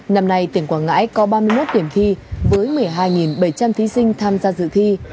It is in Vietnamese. năm nay tỉnh quảng ngãi có ba mươi một điểm thi với một mươi hai bảy trăm linh thí sinh tham gia dự thi